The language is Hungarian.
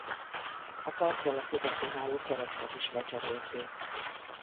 A parcella közepén álló keresztet is lecserélték.